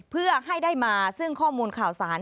เพื่อให้ได้มาซึ่งข้อมูลข่าวสาร